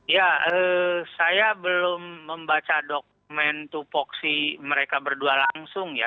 ya saya belum membaca dokumen tupoksi mereka berdua langsung ya